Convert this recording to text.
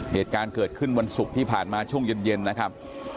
เหตุการณ์เกิดขึ้นวันศุกร์ที่ผ่านมาช่วงเย็นนะครับ